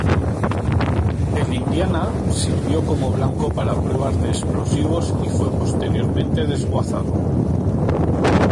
El "Indiana" sirvió como blanco para pruebas de explosivos y fue posteriormente desguazado.